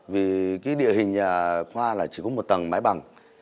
vì cái địa hình nhà khoa là chỉ có một tầng mái bằng